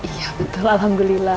iya betul alhamdulillah